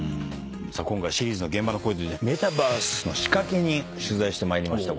さあ今回シリーズの現場の声メタバースの仕掛け人取材してまいりました。